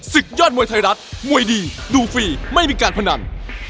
ศึกยอดมวยไทยรัฐมวยดีดูฟรีไม่มีการพนัน